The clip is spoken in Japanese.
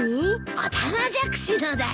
オタマジャクシのだよ。